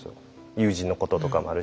友人のこととかもあるし。